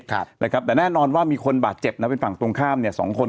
ครับนะครับแต่แน่นอนว่ามีคนบาดเจ็บนะเป็นฝั่งตรงข้ามเนี่ยสองคน